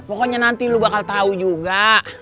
pokoknya nanti lu bakal tahu juga